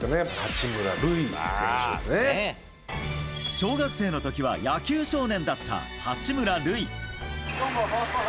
小学生の時は野球少年だった八村塁。